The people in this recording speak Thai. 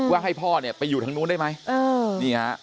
ว่าให้พ่อเนี่ยไปอยู่ทางนู้นได้ไหม